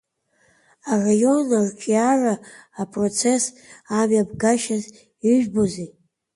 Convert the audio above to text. Араион арҿиара апроцесс амҩаԥгашьаз ижәбозеи?